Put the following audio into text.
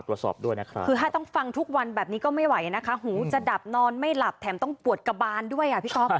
แล้วเขาจะเป็นทุกคืนแต่ว่าคืนนี้จะหนักหน่อย